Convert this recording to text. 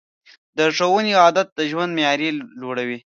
د ښوونې عادت د ژوند معیار لوړوي.